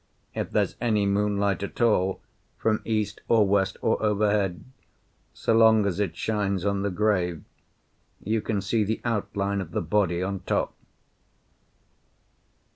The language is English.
If there's any moonlight at all, from east or west or overhead, so long as it shines on the grave you can see the outline of the body on top."